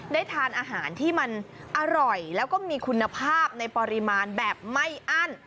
ได้ทานอาหารที่มันอร่อยแล้วก็มีคุณภาพในปริมาณแบบไม่อั้น